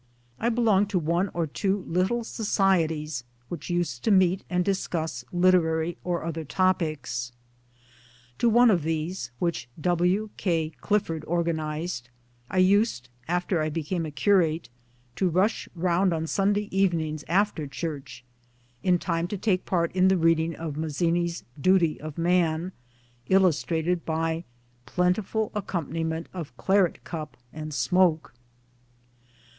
I belonged to one or two little societies which used to meet and discuss literary or other topics. To one of these, which W. K. Clifford organized, I used, after I became a curate, to rush round on Sunday evenings after church in time to take part in the reading of Mazzini's Duty of Man ; illustrated by a plentiful accompaniment of claret cup and smoke